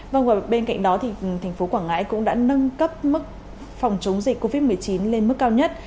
vâng bên cạnh đó thì thành phố quảng ngãi cũng đã nâng cấp mức phòng chống dịch covid một mươi chín lên mức cao nhất